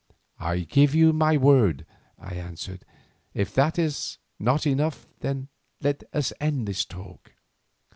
"I give you my word," I answered; "if that is not enough, let us end this talk."